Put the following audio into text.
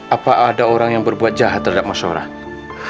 apa ada orang yang berbuat jahat terhadap masyarakat